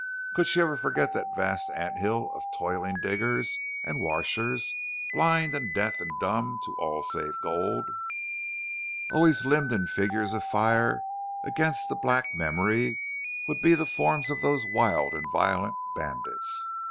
Could she ever forget that vast ant hill of toiling diggers and washers, blind and deaf and dumb to all save gold? Always limned in figures of fire against the black memory would be the forms of those wild and violent bandits!